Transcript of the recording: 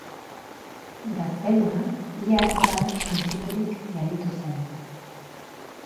Gaztelua ia erabat suntsiturik gelditu zen.